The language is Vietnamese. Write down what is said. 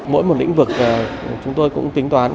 mỗi một lĩnh vực chúng tôi cũng tính toán